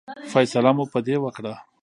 فیصله مو په دې وکړه.